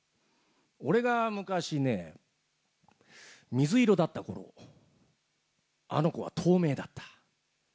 俺が昔ね、水色だった頃、あの子は透明だった。